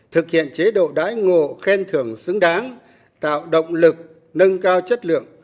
thực hiện chế độ đái ngộ khen thưởng xứng đáng tạo động lực nâng cao chất lượng